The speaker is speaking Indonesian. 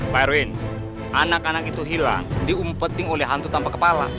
pak erwin anak anak itu hilang diumpetin oleh hantu tanpa kepala